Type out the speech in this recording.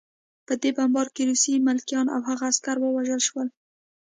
په دې بمبار کې روسي ملکیان او هغه عسکر ووژل شول